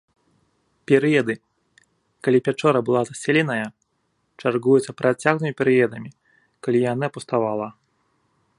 Перыяды, калі пячора была заселеная, чаргуюцца працяглымі перыядамі, калі яна пуставала.